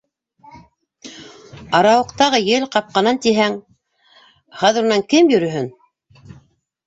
Арауыҡтағы ел ҡапҡанан тиһәң, хәҙер унан кем йөрөһөн?